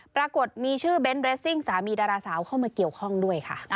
ปรากฏมีชื่อเบนท์เรสซิ่งสามีดาราสาวเข้ามาเกี่ยวข้องด้วยค่ะ